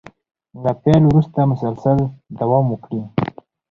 له پيل وروسته مسلسل دوام وکړي.